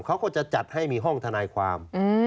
เขาก็จะจัดให้มีห้องทนายความ